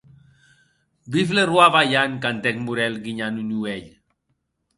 Vive ce roi vaillant, cantèc Morel guinhant un uelh.